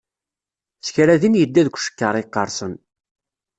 S kra din yedda deg ucekkar yeqqersen.